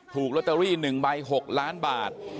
ถูกลอตเตอรี่๑ใบ๖ล้านบาท